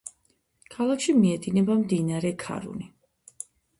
ქალაქში მიედინება მდინარე ქარუნი.